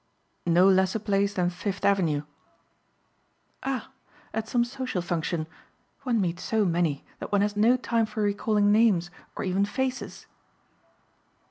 "No less a place than Fifth avenue." "Ah, at some social function? One meets so many that one has no time for recalling names or even faces."